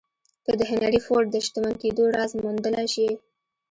که د هنري فورډ د شتمن کېدو راز موندلای شئ.